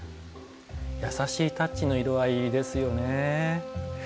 優しいタッチの色合いですよね。